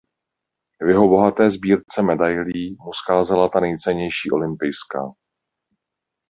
V jeho bohaté sbírce medailí mu scházela ta nejcennější olympijská.